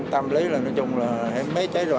tâm lý là nói chung là mê chết rồi